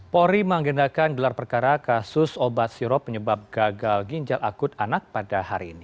polri mengagendakan gelar perkara kasus obat sirop penyebab gagal ginjal akut anak pada hari ini